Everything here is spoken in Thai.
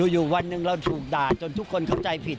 อยู่วันหนึ่งเราถูกด่าจนทุกคนเข้าใจผิด